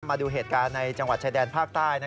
มาดูเหตุการณ์ในจังหวัดชายแดนภาคใต้